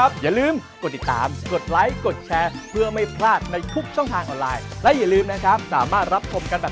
สวัสดีครับ